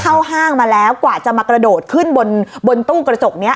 ห้างมาแล้วกว่าจะมากระโดดขึ้นบนบนตู้กระจกนี้